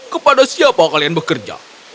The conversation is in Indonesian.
kepada siapa kalian bekerja